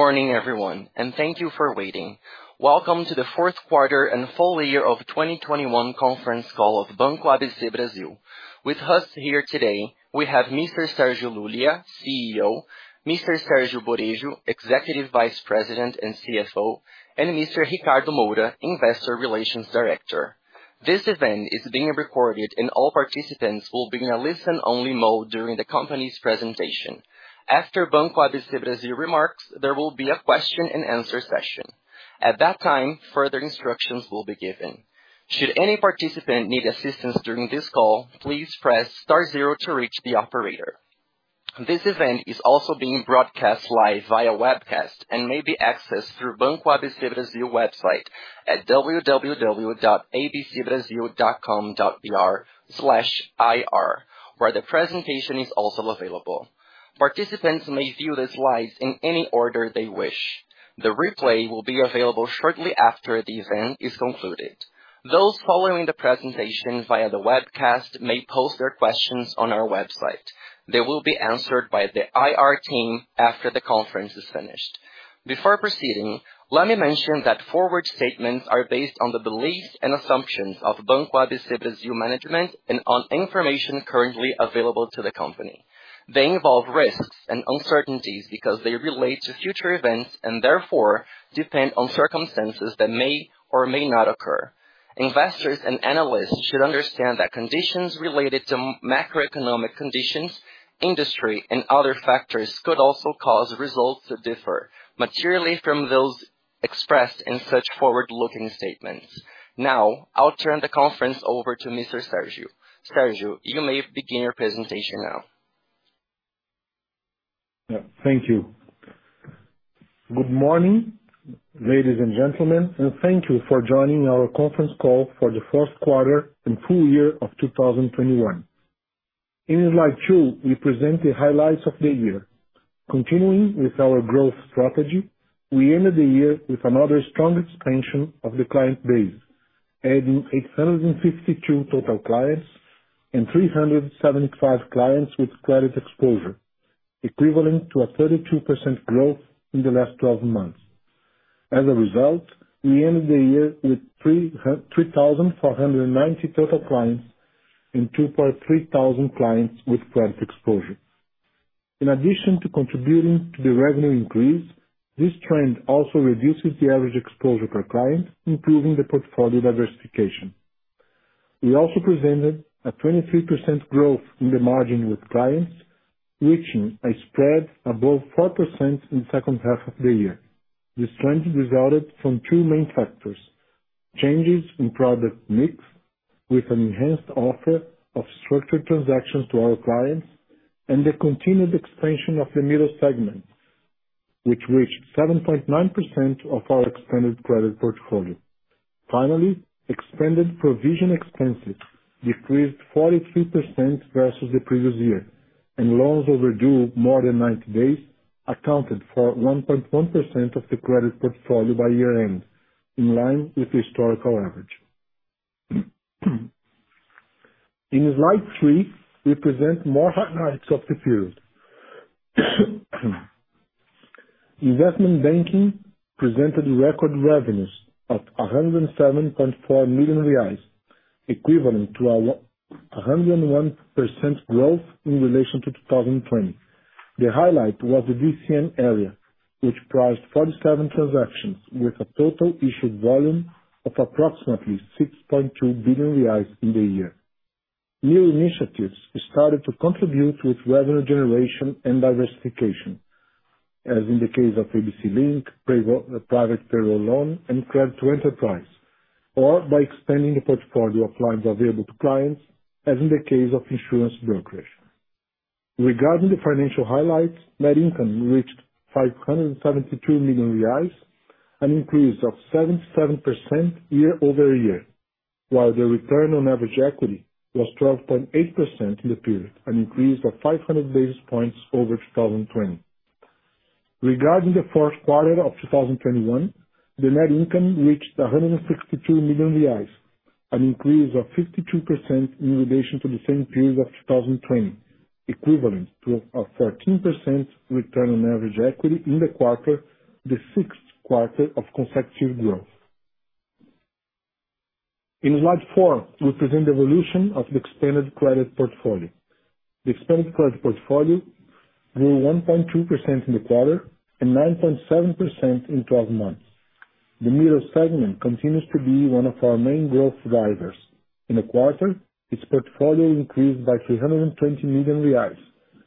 Good morning, everyone, and thank you for waiting. Welcome to the fourth quarter and full year of 2021 conference call of Banco ABC Brasil. With us here today we have Mr. Sérgio Lulia, CEO, Mr. Sergio Borejo, Executive Vice President and CFO, and Mr. Ricardo Moura, Investor Relations Director. This event is being recorded and all participants will be in a listen-only mode during the company's presentation. After Banco ABC Brasil remarks, there will be a question and answer session. At that time, further instructions will be given. Should any participant need assistance during this call, please press star zero to reach the operator. This event is also being broadcast live via webcast and may be accessed through Banco ABC Brasil website at www.abcbrasil.com.br/ir, where the presentation is also available. Participants may view the slides in any order they wish. The replay will be available shortly after the event is concluded. Those following the presentation via the webcast may pose their questions on our website. They will be answered by the IR team after the conference is finished. Before proceeding, let me mention that forward statements are based on the beliefs and assumptions of Banco ABC Brasil management and on information currently available to the company. They involve risks and uncertainties because they relate to future events and therefore depend on circumstances that may or may not occur. Investors and analysts should understand that conditions related to macroeconomic conditions, industry and other factors could also cause results to differ materially from those expressed in such forward-looking statements. Now, I'll turn the conference over to Mr. Sérgio Lulia. Sérgio Lulia, you may begin your presentation now. Yeah, thank you. Good morning, ladies and gentlemen, and thank you for joining our conference call for the fourth quarter and full year of 2021. In slide 2, we present the highlights of the year. Continuing with our growth strategy, we ended the year with another strong expansion of the client base, adding 852 total clients and 375 clients with credit exposure, equivalent to a 32% growth in the last 12 months. As a result, we ended the year with 3,490 total clients and 2,300 clients with credit exposure. In addition to contributing to the revenue increase, this trend also reduces the average exposure per client, improving the portfolio diversification. We also presented a 23% growth in the margin with clients, reaching a spread above 4% in second half of the year. This trend resulted from two main factors, changes in product mix with an enhanced offer of structured transactions to our clients, and the continued expansion of the middle segment, which reached 7.9% of our expanded credit portfolio. Finally, expanded provision expenses decreased 43% versus the previous year, and loans overdue more than 90 days accounted for 1.1% of the credit portfolio by year-end, in line with historical average. In slide 3, we present more highlights of the period. Investment banking presented record revenues of 107.4 million reais, equivalent to a 101% growth in relation to 2020. The highlight was the DCM area, which priced 47 transactions with a total issued volume of approximately 6.2 billion reais in the year. New initiatives started to contribute with revenue generation and diversification, as in the case of ABC Link, payroll-linked loan, and Credit to Enterprise, by expanding the portfolio of loans available to clients, as in the case of Insurance Brokerage. Regarding the financial highlights, net income reached 572 million reais, an increase of 77% year-over-year, while the return on average equity was 12.8% in the period, an increase of 500 basis points over 2020. Regarding the fourth quarter of 2021, the net income reached 162 million reais, an increase of 52% in relation to the same period of 2020, equivalent to a 13% return on average equity in the quarter, the sixth quarter of consecutive growth. In slide 4, we present the evolution of the expanded credit portfolio. The expanded credit portfolio grew 1.2% in the quarter and 9.7% in 12 months. The middle segment continues to be one of our main growth drivers. In the quarter, its portfolio increased by 320 million reais,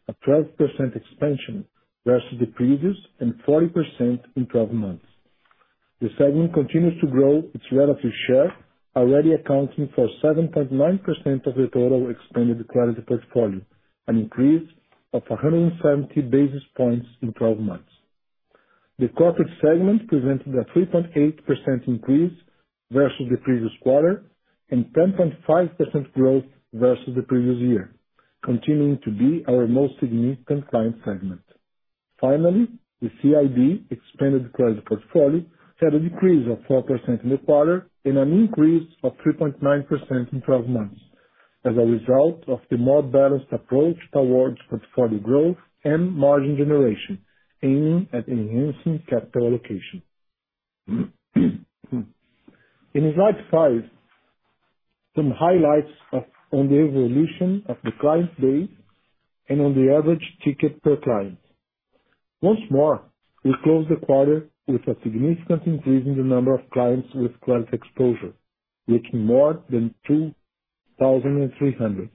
a 12% expansion versus the previous, and 40% in 12 months. The segment continues to grow its relative share, already accounting for 7.9% of the total expanded credit portfolio, an increase of 170 basis points in 12 months. The corporate segment presented a 3.8% increase versus the previous quarter and 10.5% growth versus the previous year, continuing to be our most significant client segment. Finally, the CIB expanded credit portfolio had a decrease of 4% in the quarter and an increase of 3.9% in 12 months. As a result of the more balanced approach towards portfolio growth and margin generation, aiming at enhancing capital allocation. In Slide 5, some highlights of on the evolution of the client base and on the average ticket per client. Once more, we closed the quarter with a significant increase in the number of clients with credit exposure, reaching more than 2,300,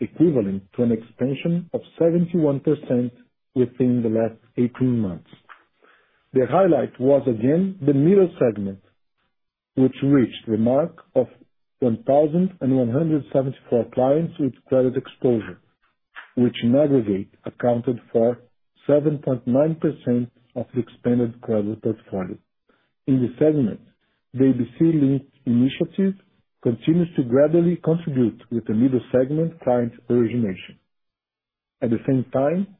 equivalent to an expansion of 71% within the last 18 months. The highlight was again the middle segment, which reached the mark of 1,174 clients with credit exposure, which in aggregate accounted for 7.9% of the expanded credit portfolio. In the segment, the ABC Link initiative continues to gradually contribute with the middle segment client origination. At the same time,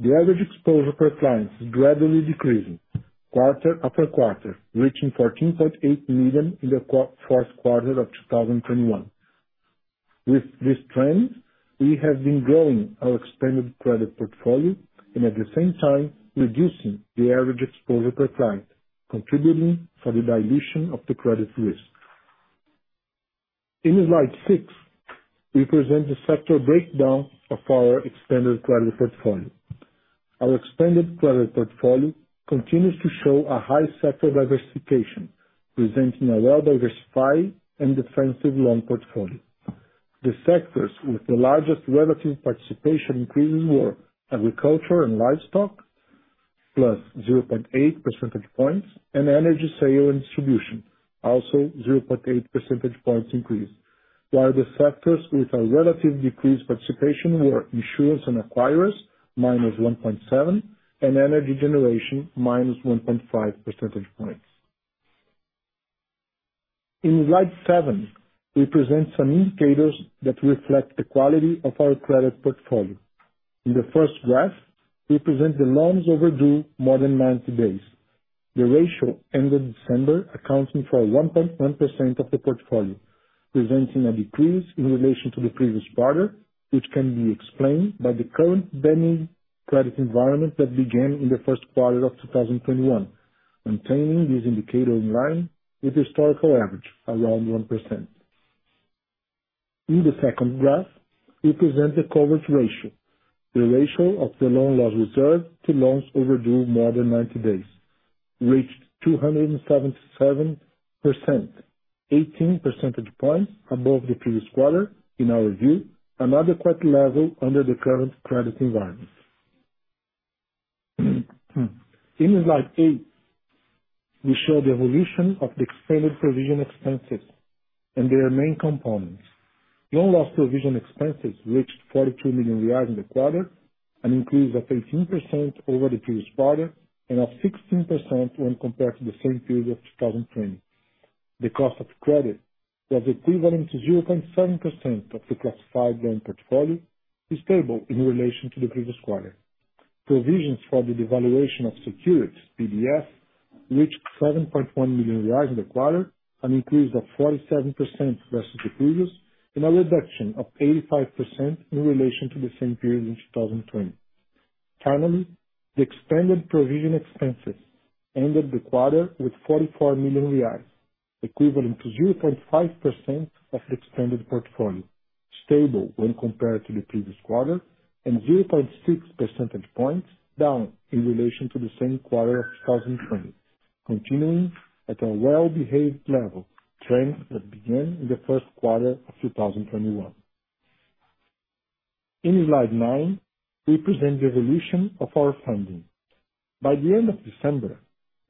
the average exposure per client is gradually decreasing quarter after quarter, reaching 14.8 million in the fourth quarter of 2021. With this trend, we have been growing our expanded credit portfolio and at the same time reducing the average exposure per client, contributing for the dilution of the credit risk. In slide 6, we present the sector breakdown of our expanded credit portfolio. Our expanded credit portfolio continues to show a high sector diversification, presenting a well-diversified and defensive loan portfolio. The sectors with the largest relative participation increases were agriculture and livestock, plus 0.8 percentage points, and energy sale and distribution, also 0.8 percentage points increase. While the sectors with a relative decreased participation were insurance and acquirers, minus 1.7, and energy generation, minus 1.5 percentage points. In slide 7, we present some indicators that reflect the quality of our credit portfolio. In the first graph, we present the loans overdue more than 90 days. The ratio ended December accounting for 1.1% of the portfolio, presenting a decrease in relation to the previous quarter, which can be explained by the current benign credit environment that began in the first quarter of 2021, maintaining this indicator in line with historical average, around 1%. In the second graph, we present the coverage ratio. The ratio of the loan loss reserve to loans overdue more than 90 days reached 277%, 18 percentage points above the previous quarter. In our view, an adequate level under the current credit environment. In slide 8, we show the evolution of the expanded provision expenses and their main components. Loan loss provision expenses reached 42 million reais in the quarter, an increase of 18% over the previous quarter, and of 16% when compared to the same period of 2020. The cost of credit was equivalent to 0.7% of the classified loan portfolio. Is stable in relation to the previous quarter. Provisions for the devaluation of securities, PDS, reached 7.1 million reais in the quarter, an increase of 47% versus the previous, and a reduction of 85% in relation to the same period in 2020. Finally, the expanded provision expenses ended the quarter with BRL 44 million, equivalent to 0.5% of the expanded portfolio, stable when compared to the previous quarter, and 0.6 percentage points down in relation to the same quarter of 2020. Continuing at a well-behaved level, a trend that began in the first quarter of 2021. In slide 9, we present the evolution of our funding. By the end of December,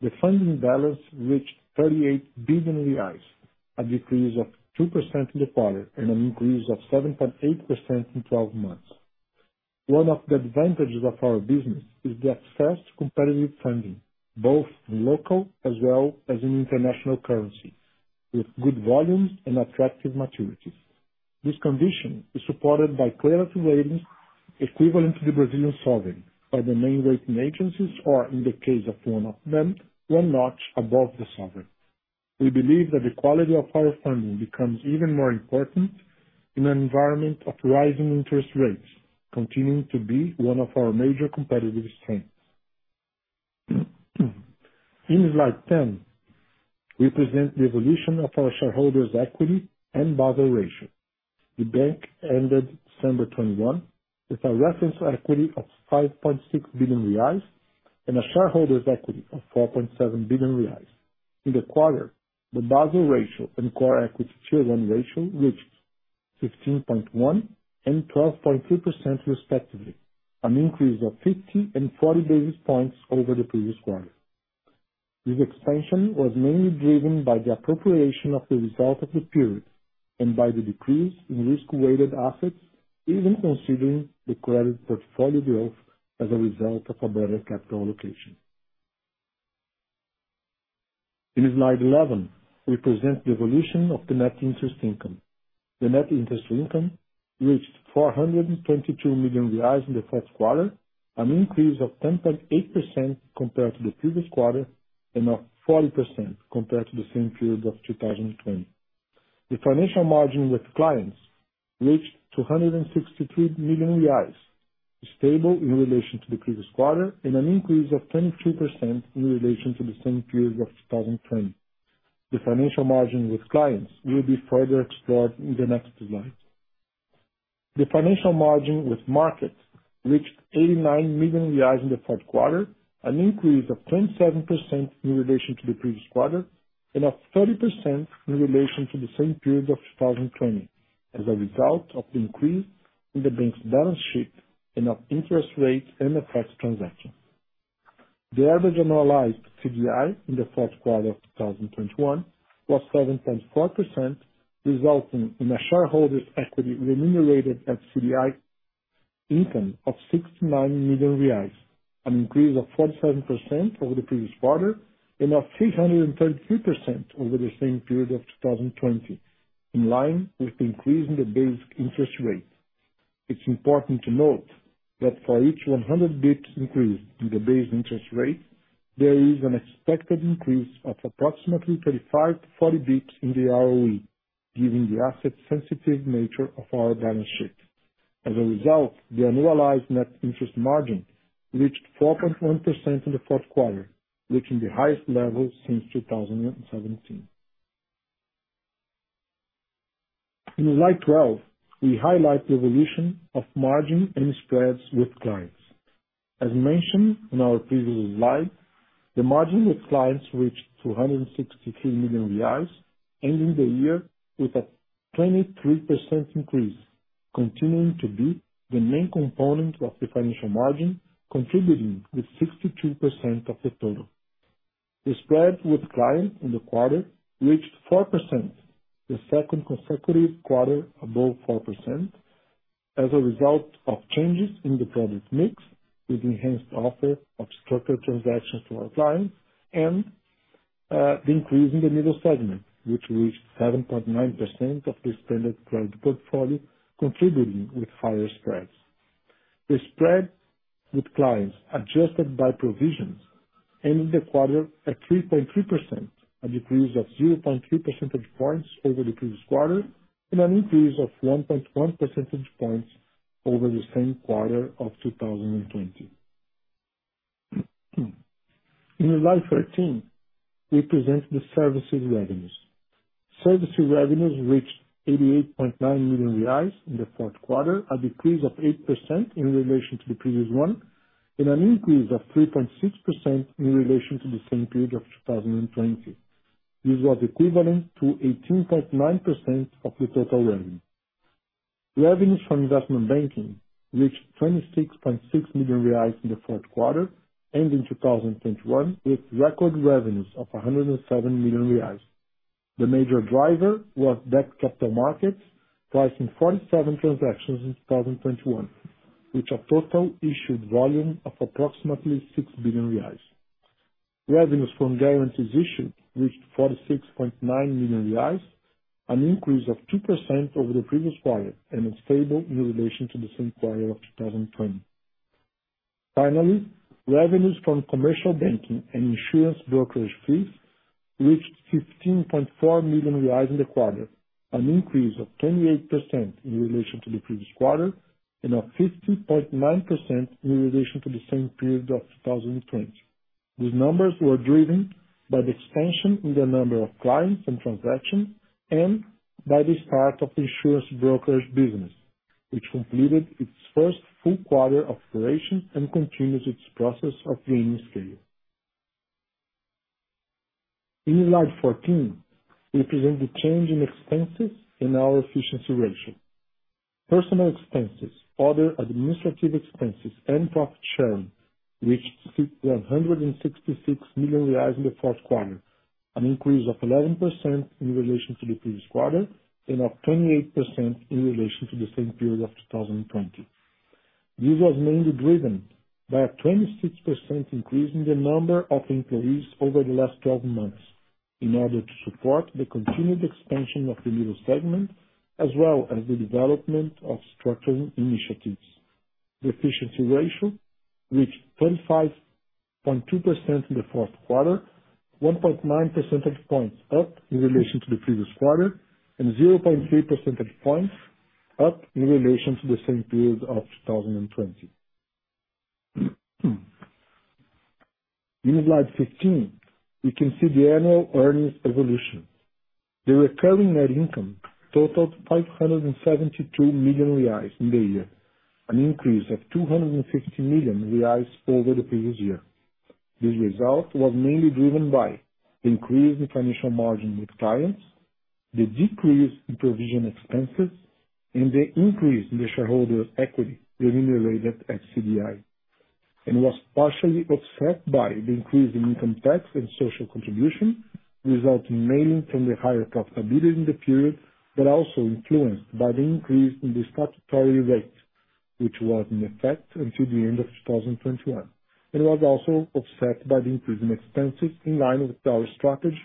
the funding balance reached 38 billion reais, a decrease of 2% in the quarter and an increase of 7.8% in 12 months. One of the advantages of our business is the access to competitive funding, both in local as well as in international currency, with good volumes and attractive maturities. This condition is supported by credit ratings equivalent to the Brazilian sovereign by the main rating agencies, or in the case of one of them, one notch above the sovereign. We believe that the quality of our funding becomes even more important in an environment of rising interest rates, continuing to be one of our major competitive strengths. In slide ten, we present the evolution of our shareholders' equity and Basel ratio. The bank ended December 2021 with a reference equity of 5.6 billion reais and a shareholders' equity of 4.7 billion reais. In the quarter, the Basel ratio and Core Equity Tier 1 ratio reached 16.1% and 12.3% respectively, an increase of 50 and 40 basis points over the previous quarter. This expansion was mainly driven by the appropriation of the result of the period and by the decrease in risk-weighted assets, even considering the credit portfolio growth as a result of a better capital allocation. In slide eleven, we present the evolution of the net interest income. The net interest income reached 422 million reais in the fourth quarter. An increase of 10.8% compared to the previous quarter and of 40% compared to the same period of 2020. The financial margin with clients reached 263 million reais, stable in relation to the previous quarter, and an increase of 23% in relation to the same period of 2020. The financial margin with clients will be further explored in the next slide. The financial margin with market reached 89 million reais in the fourth quarter, an increase of 27% in relation to the previous quarter and of 30% in relation to the same period of 2020, as a result of the increase in the bank's balance sheet and of interest rates and FX transactions. The average annualized CDI in the fourth quarter of 2021 was 7.4%, resulting in a shareholder's equity remunerated at CDI income of 69 million reais, an increase of 47% over the previous quarter and of 633% over the same period of 2020, in line with the increase in the base interest rate. It's important to note that for each 100 basis points increase in the base interest rate, there is an expected increase of approximately 35-40 basis points in the ROE, given the asset sensitive nature of our balance sheet. As a result, the annualized net interest margin reached 4.1% in the fourth quarter, reaching the highest level since 2017. In slide 12, we highlight the evolution of margin and spreads with clients. As mentioned in our previous slide, the margin with clients reached 263 million reais, ending the year with a 23% increase, continuing to be the main component of the financial margin, contributing with 62% of the total. The spread with clients in the quarter reached 4%, the second consecutive quarter above 4% as a result of changes in the product mix with enhanced offer of structured transactions to our clients and the increase in the middle segment, which reached 7.9% of the standard credit portfolio, contributing with higher spreads. The spread with clients adjusted by provisions, ending the quarter at 3.2%, a decrease of 0.2 percentage points over the previous quarter and an increase of 1.1 percentage points over the same quarter of 2020. In slide 13, we present the services revenues. Services revenues reached 88.9 million reais in the fourth quarter, a decrease of 8% in relation to the previous one, and an increase of 3.6% in relation to the same period of 2020. This was equivalent to 18.9% of the total revenue. Revenues from Investment Banking reached 26.6 million reais in the fourth quarter, ending 2021 with record revenues of 107 million reais. The major driver was Debt Capital Markets pricing 47 transactions in 2021, with a total issued volume of approximately 6 billion reais. Revenues from guarantees issued reached 46.9 million reais, an increase of 2% over the previous quarter and is stable in relation to the same quarter of 2020. Finally, revenues from commercial banking and Insurance Brokerage fees reached 15.4 million reais in the quarter, an increase of 28% in relation to the previous quarter and of 15.9% in relation to the same period of 2020. These numbers were driven by the expansion in the number of clients and transactions and by the start of the Insurance Brokerage business, which completed its first full quarter of operation and continues its process of gaining scale. In slide 14, we present the change in expenses and our efficiency ratio. Personnel expenses, other administrative expenses and profit sharing reached 166 million reais in the fourth quarter, an increase of 11% in relation to the previous quarter and of 28% in relation to the same period of 2020. This was mainly driven by a 26% increase in the number of employees over the last 12 months in order to support the continued expansion of the middle segment, as well as the development of structuring initiatives. The efficiency ratio reached 25.2% in the fourth quarter, 1.9 percentage points up in relation to the previous quarter and 0.3 percentage points up in relation to the same period of 2020. In slide 15, we can see the annual earnings evolution. The recurring net income totaled 572 million reais in the year, an increase of 250 million reais over the previous year. This result was mainly driven by the increase in financial margin with clients, the decrease in provision expenses, and the increase in the shareholder equity remunerated at CDI, and was partially offset by the increase in income tax and social contribution, resulting mainly from the higher profitability in the period, but also influenced by the increase in the statutory rate, which was in effect until the end of 2021, and was also offset by the increase in expenses in line with our strategy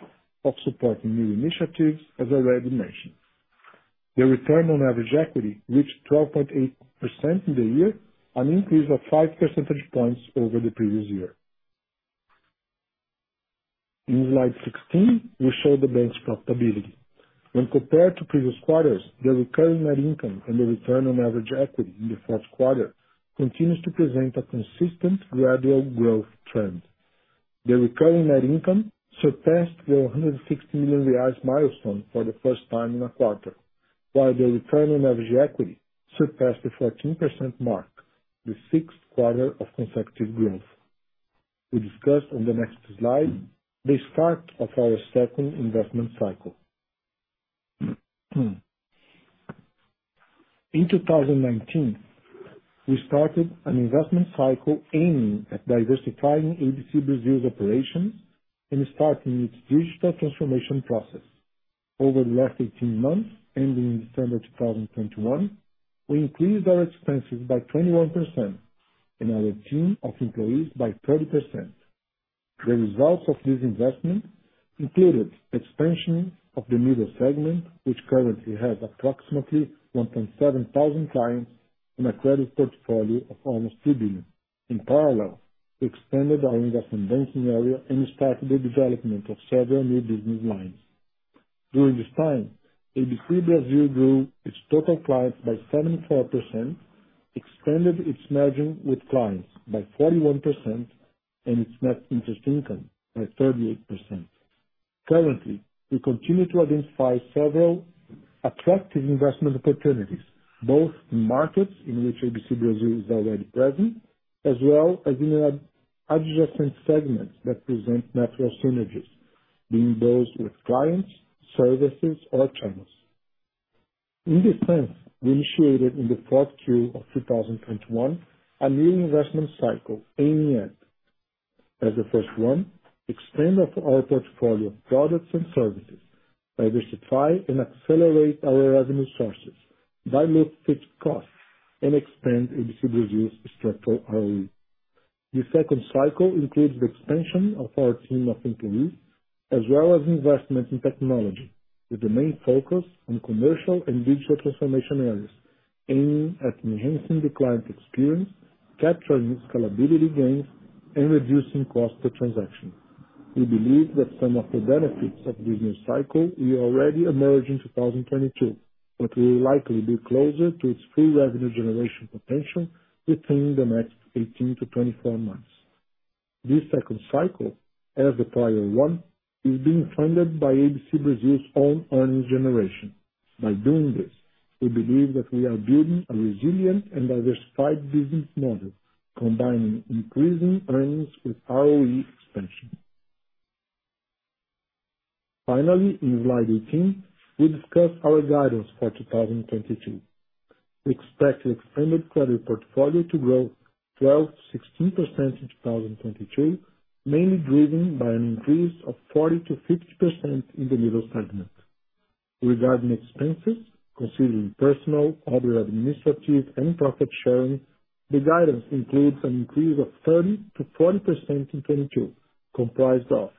of supporting new initiatives, as I already mentioned. The return on average equity reached 12.8% in the year, an increase of 5 percentage points over the previous year. In slide 16, we show the bank's profitability. When compared to previous quarters, the recurring net income and the return on average equity in the fourth quarter continues to present a consistent gradual growth trend. The recurring net income surpassed the 160 million reais milestone for the first time in a quarter, while the return on average equity surpassed the 14% mark, the sixth quarter of consecutive growth. We discuss on the next slide the start of our second investment cycle. In 2019, we started an investment cycle aiming at diversifying ABC Brasil's operation and starting its digital transformation process. Over the last 18 months, ending in December 2021, we increased our expenses by 21% and our team of employees by 30%. The results of this investment included expansion of the middle segment, which currently has approximately 1,700 clients and a credit portfolio of almost 2 billion. In parallel, we expanded our investment banking area and started the development of several new business lines. During this time, ABC Brasil grew its total clients by 74%, extended its margin with clients by 41% and its net interest income by 38%. Currently, we continue to identify several attractive investment opportunities, both in markets in which ABC Brasil is already present, as well as in adjacent segments that present natural synergies, being those with clients, services or channels. In this sense, we initiated in 4Q 2021 a new investment cycle aiming at, as the first one, expansion of our portfolio of products and services, diversify and accelerate our revenue sources, dilute fixed costs, and expand ABC Brasil's structural ROE. The second cycle includes the expansion of our team of employees as well as investment in technology, with the main focus on commercial and digital transformation areas, aiming at enhancing the client experience, capturing scalability gains, and reducing cost per transaction. We believe that some of the benefits of this new cycle will already emerge in 2022, but will likely be closer to its full revenue generation potential within the next 18-24 months. This second cycle, as the prior one, is being funded by ABC Brasil's own earnings generation. By doing this, we believe that we are building a resilient and diversified business model, combining increasing earnings with ROE expansion. Finally, in slide 18, we discuss our guidance for 2022. We expect the expanded credit portfolio to grow 12%-16% in 2022, mainly driven by an increase of 40%-50% in the middle segment. Regarding expenses, considering personal, other administrative, and profit sharing, the guidance includes an increase of 30%-40% in 2022, comprised of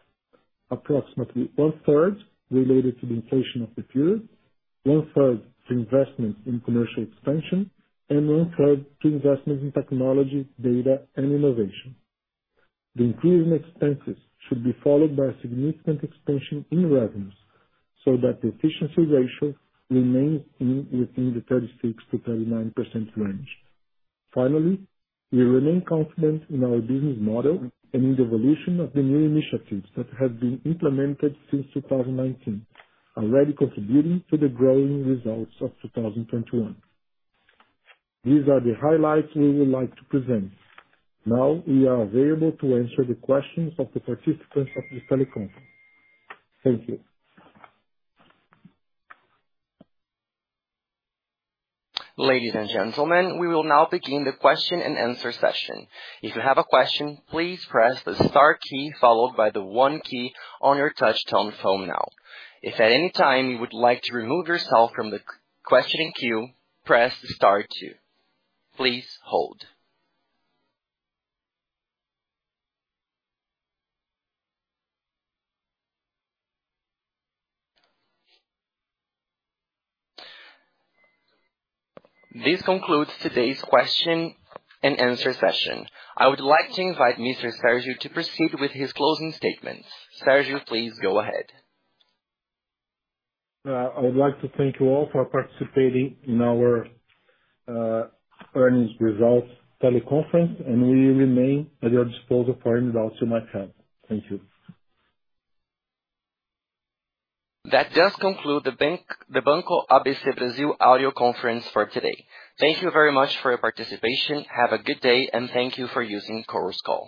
approximately one-third related to the inflation of the period, one-third to investments in commercial expansion, and one-third to investments in technology, data, and innovation. The increase in expenses should be followed by a significant expansion in revenues, so that the efficiency ratio remains within the 36%-39% range. Finally, we remain confident in our business model and in the evolution of the new initiatives that have been implemented since 2019, already contributing to the growing results of 2021. These are the highlights we would like to present. Now we are available to answer the questions of the participants of this teleconference. Thank you. Ladies and gentlemen, we will now begin question and answer session. If you have a question, please press the star key followed by the one key on your touchtone phone now. If at anytime you would like to remove yourself from the question queue, press star two. Please hold. This concludes today's question and answer session. I would like to invite Mr. Sérgio to proceed with his closing statements. Sérgio, please go ahead. I would like to thank you all for participating in our earnings results teleconference, and we remain at your disposal for any doubts you might have. Thank you. That does conclude the bank, the Banco ABC Brasil audio conference for today. Thank you very much for your participation. Have a good day, and thank you for using Chorus Call.